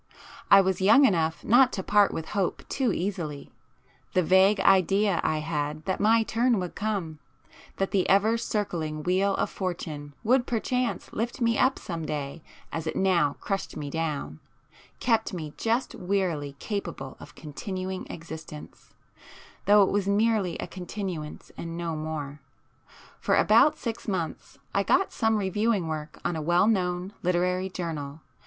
I was young enough not to part with hope too easily;—the vague idea I had that my turn would come,—that the ever circling wheel of Fortune would perchance lift me up some day as it now crushed me down, kept me just wearily capable of continuing existence,—though it was merely a continuance and no more. For about six months I got some reviewing work on a well known literary journal.